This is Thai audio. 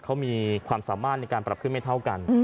เขามีความสามารถในการปรับขึ้นไม่เท่ากัน